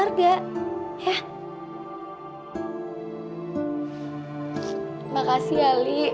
tapi lo juga punya keluarga ya